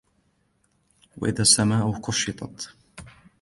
وإذا السماء كشطت